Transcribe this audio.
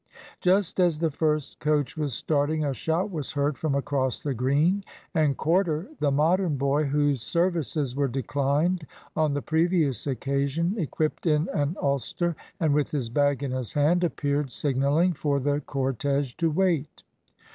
Just as the first coach was starting, a shout was heard from across the Green, and Corder, the Modern boy whose services were declined on the previous occasion, equipped in an ulster and with his bag in his hand, appeared signalling for the cortege to wait.